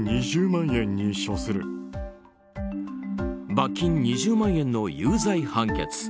罰金２０万円の有罪判決。